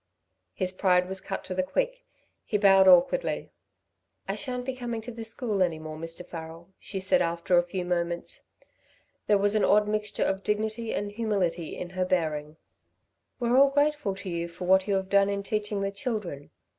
His pride was cut to the quick; he bowed, awkwardly. "I shan't be coming to the school any more, Mr. Farrel," she said after a few moments. There was an odd mixture of dignity and humility in her bearing. "We're all grateful to you for what you have done in teaching the children.